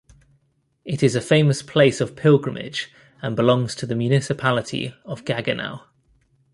It is a famous place of pilgrimage and belongs to the municipality of Gaggenau.